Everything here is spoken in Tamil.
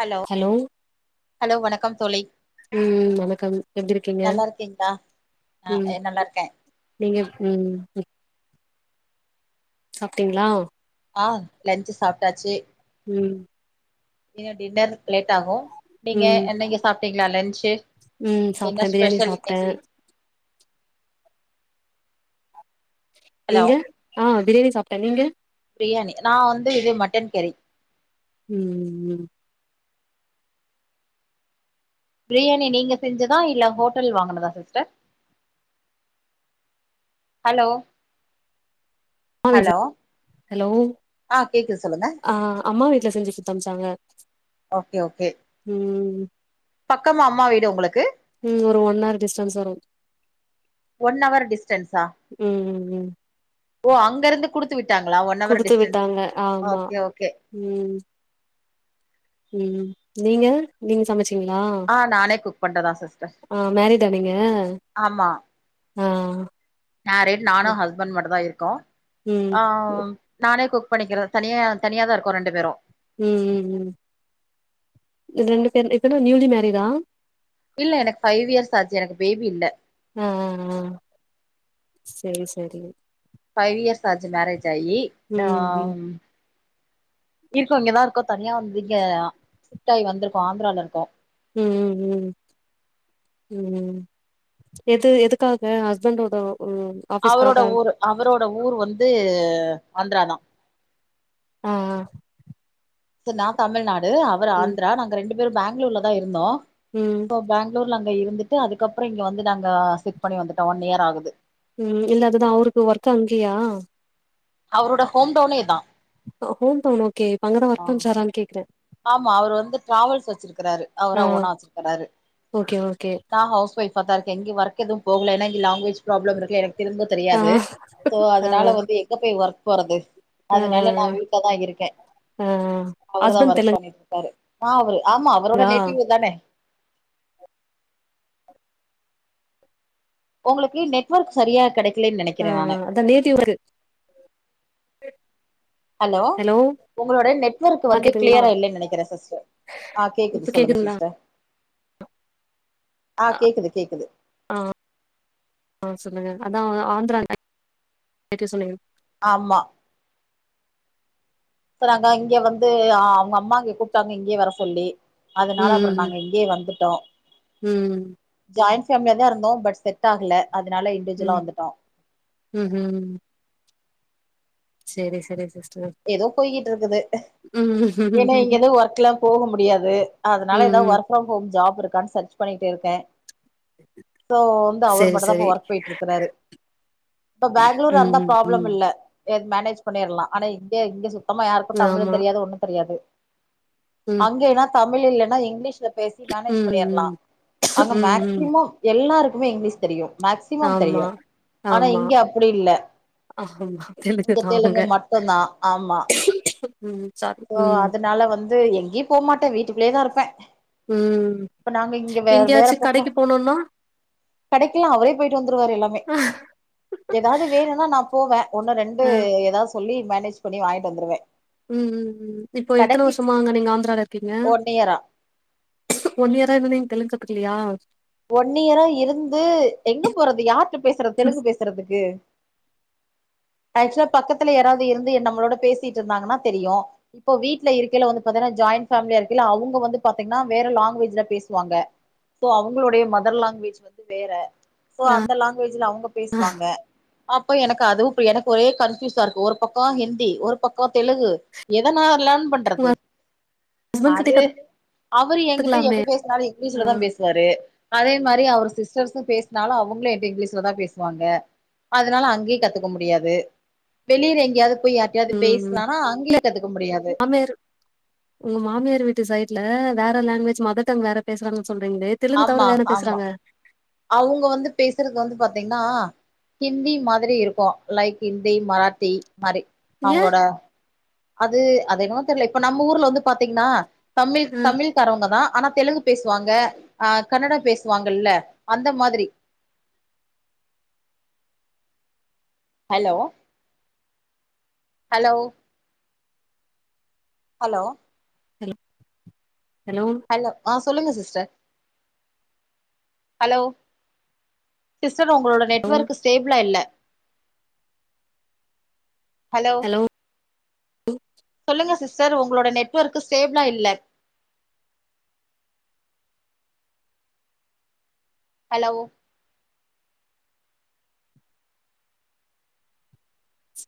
ஹலோ ஹலோ வணக்கம் தோழி ம் வணக்கம் எப்டிருக்கீங்க நல்லா இருக்கீங்களா உம் ஆ நல்லா இருக்கே நீங்க உம் ம் சாப்டீங்களா ஆஹ் லன்ச்சு சாப்ட்டாச்சு ம் இல்ல டின்னர் லேட் ஆகும் நீங்க ம் என்னங்க சாப்ட்டீங்களா லன்சு ம் சாப்ட்டே என்ன பிரியாணி ஸ்பெஷல் சாப்ட்டே இன்னைக்கி ஹலோ நீங்க ஆ பிரியாணி சாப்ட்ட நீங்க பிரியாணி நா வந்து இது மட்டன் கறி உம் பிரியாணி நீங்க செஞ்சதா இல்ல ஹோட்டல்ல வாங்கனதா சிஸ்டர் ஹலோ ஹலோ ஹலோ ஆ கேக்குது சொல்லுங்க ஆ அம்மா வீட்டுல செஞ்சு குத்தம்ச்சாங்க ஓகே ஓகே ம் பக்கமா அம்மா வீடு உங்களுக்கு ம் ஒரு ஒன் ஹார் டிஸ்டன்ஸ் வரும் ஒன் அவர் டிஸ்டன்சா ம் ம் ம் ஓ அங்கருந்து குடுத்து விட்டாங்களா ஒன் அவர் குடுத்து டிஸ்டன்ஸ் விட்டாங்க ஆமா ஓகே ஓகே ம் உம் நீங்க நீங்க சமைச்சி டீங்களா ஆ நானே குக் பண்றதா சிஸ்டர் ஆ மேரிஜா நீங்க ஆமா ஆ மேரிட் நானும் ஓகே. ஹஸ்பண்ட் மட்டு தான் இருக்கோம் ம் ஆ நானே குக் பண்ணிக்கிறது தனியா தனியா தான் இருக்கோ ரெண்டு பேரும் ம் ம் ம் ரெண்டு பேரும் இப்பதா நியூலி மேரிடா இல்ல எனக்கு ஃபைவ் இயர்ஸ் ஆச்சு எனக்கு பேபி இல்ல ஆ ஆ ஆ சரி சரி ஃபைவ் இயர்ஸ் ஆச்சு மேரேஜ் ஆயி ஆ ம் ம் இப்ப இங்கதா இருக்கோ தனியா இங்க சிஃப்டாய் வந்திருக்கோ ஆந்ரால இருக்கோ ம் ம் ம் உம் எது எதுக்காக ஹஸ்பண்டோட உம் அவரோட ஊர் அவரோட ஊர் வந்து ஆந்த்ரா தா ஆ ஆ நா தமிழ்நாடு அவர் ம் ஆந்திரா நாங்க ரெண்டு பேரு பேங்களூர்ல தா இருந்தோ ம் அப்போ பெங்களூர்ல அங்க இருந்துட்டு அதுக்கப்புறோ இங்க வந்து நாங்க சிஃப்ட் பண்ணி வந்துட்டோ ஒன் இயர் ஆகுது உம் இல்ல அதுதா அவருக்கு ஒர்க் அங்கியா அவரோட ஹோம் டவுனே அதா ஹோம்டவுன் ஓகாகே இப்ப அங்க தா வொர்க் பன்றாரான்னு கேக்குரே ஆமா அவர் வந்து டிராவல்ஸ் வச்சிருக்கறாரு ஆ அவரா ஓனா வச்சிருக்காரு ஓகே ஓகே நா ஹவுஸ் ஒய்ஃப் பத்தாதுக்கு எங்கயு வொர்க் எது போகலனா லேங்குவேஜ் ப்ராபளம் இருக்கு எனக்கு தெரிஞ்சு ஆ தெரியாது சோ ஆ அதனால வந்து எங்க போய் ஒர்க் போறது ஆ அதனால நா வீட்ல தா இருக்க ஆ அவரு தா ஹஸ்பண்ட் ஒர்க் தெலுங்கா பண்ணிட்டு இருக்காரு ஆ அவரு ஆமா அவரோட நேட்டிவ் இத்தானே உங்களுக்கு நெட்ஒர்க் சரியா கெடைக் ஆ ஆ அதா நேட்டிவ் அவருக்கு ஹலோ உங்களோட நெட்வொர்க் ஆ வந்து கேக்குதுங்களா கிளியரா இல்லைன்னு நெனக்கிற சிஸ்டர் ஆ இப்ப கேக்குது சொல்லுங்க கேக்குதுங்களா சிஸ்டர் ஆ கேக்குது கேக்குது ஆ ஆ சொல்லுங்க அதாஆந்திரா நேட்டிவ் சொன்னீங்களே ஆமா இப்ப நாங்க இங்க வந்து அவங்க அம்மா இங்க கூப்பிட்டாங்க இங்கயே வர சொல்லி அதனால அப்புறோ ம் நாங்க இங்கயே வந்துட்டோ ம் ம் ஜாயிண்ட் ஃபேமிலியா தா இருந்தோ பட் செட் ஆகல அதனால இண்டிவிஜுவலா வந்துட்டோ உம் உம் செரி செரி சிஸ்டர் ஏதோ போய்கிட்டு இருக்குது ம் ஏன்னா இங்க எதுவு ஒர்க்லா போக முடியாது அதனால ம் ஏதாது ஒர்க் ம் ஒர்க் ப்ரம் ஹோம் ஜாப் இருக்கான்னு சர்ச் பண்ணிட்டு இருக்கே இப்போ வந்து அவர் செரி மட்டு தா இப்போ செரி ஒர்க் போயிட்டு இருக்கறாரு இப்ப பெங்களூர்ரா ம் இருந்தா ம் ப்ராப்ளம் ம் இல்ல து மேனேஜ் பண்ணிறலா ஆனா இங்க இங்க சுத்தமா யாருக்கு தமிழு ஆமா தெரியாது ஒண்ணு தெரியாது ம் அங்கைன்னா தமிழ் இல்லன்னா இங்கிலீஷ்ல பேசி மேனேஜ் ம் பண்ணிறலா ம் அங்கே ம் ம் மேக்சிமம் எல்லாருக்குமே இங்கிலீஷ் தெரியு மேக்சிமம் ஆமா தெரியு ஆனா ஆமா இங்க அப்புடி இல்ல ஆமா இங்க தா அவங்க தெலுங்கு மட்டுந்தா ஆமா ம் சாரி சோ ம் அதனால வந்து எங்கயு போமாட்டே வீட்டுக்குள்ளயே தா இருப்பே உம் இப்ப நாங்க இங்க வே வேற எங்கியாச்சு பக்கோ கடைக்கு போனுன்னா கடைக்கெல்லா அவுரே போயிட்டு வந்துருவாரு எல்லாமே அ ஏதாவ்து வேணுன்னா நா போவே ஒன்னு ரெண்டு ம் சொல்லி மேனேஜ் பண்ணி வாங்கிட்டு வந்துருவே ம் ம் ம் இப்போ எத்தன கடைக்கு வருஷமா நீங்க ஆந்திரில இருக்கீங்க ஒன் இயரா ஒன் இயர் இருந்து நீங்க தெலுங்கு கத்துக்கலையா ஒன்ன இயரா இருந்து எங்க போறது யார்கிட்ட பேசுறது தெலுங்கு பேசுறதுக்கு ஆக்சுவலா பக்கத்துல யாராவது இருந்து என் நம்மளோட பேசிட்டு இருந்தாங்கன்னா தெரியு இப்போ வீட்டுல இருக்கில வந்து பாத்தேனா ஜாயின் ஃபேமிலியா இருக்கல்ல அவங்க வந்து பாத்தீங்கன்னா வேற லாங்குவேஜ்ல பேசுவாங்க அவங்களோடைய மதர் லாங்குவேஜ் வந்து வேற சோ அந்த லாங்குவேஜ்ல அவுங்க பேசுவாங்க அப்ப எனக்கு அதுவு புரி எனக்கு ஒரே கன்ஃபியூஸா இருக்கு ஒரு பக்கோ ஹிந்தி ஒரு பக்கோ தெலுகு எதனாவர்லாம் உங்க பண்றது ஹஸ்பண்ட் கிட்ட அது அவரு என்கிட்ட கத்துக்கலாமே எப்ப பேசினாலு ஆ இங்கிலீஷ்ல தா பேசு வாரு அதே மாரி அவர் சிஸ்டர்ஸு பேசுனாலு அவங்களு என்ட்ட இங்கிலீஷ்லதா பேசுவாங்க அதுனால அங்கயு கத்துக்க முடியாது வெளியில எங்கேயாவது போயி யார் டயாவது ம் ம். பேசலாம்னா அங்கயு கதுக்க முடியாது மாமியார் உங்க மாமியார் வீட்டு சைட்ல வேற லாங்குவேஜ் மதர் டங் வேற பேசுறாங்கனு சொல்றீங்களே தெலுங்கு தவிர வேற பேசுறாங்க அவுங்க வந்து பேசுறது வந்து பாத்தீங்கனா ஹிந்தி மாதிரி இருக்கு லைக் ஹிந்தி மராத்தி மாரி ஏ அவுங்களோட அது அதென்னவோ தெரில இப்ப நம்ப ஊர்ல வந்து பாத்தீங்கனா தமிழ் ஆ தமிழ் காரவங்க தா ஆனா தெலுங்கு பேசுவாங்க அ கன்னடம் பேசுவாங்கல்ல அந்த மாதிரி hello hello hello hello hello hello ஆ சொல்லுங்க சிஸ்டர் ஹலோ சிஸ்டர் ஒங்களோட ஹலோ நெட்வொர்க் ஸ் ஸ்டேப்ளா இல்ல ஹலோ சொல்லுங்க சிஸ்டர் ஒங்களோட நெட்வொர்க்க ஸ்டேிப்ளா இல்ல ஹலோ ச்